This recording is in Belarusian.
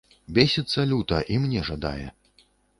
Бесіцца люта і мне жадае.